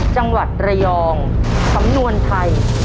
จังหวัดระยองสำนวนไทย